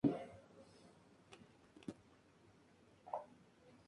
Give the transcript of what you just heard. Sin embargo, los dos normalmente son tratados como especies distintas.